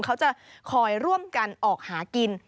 เขาจะคอยร่วมกันออกหากิน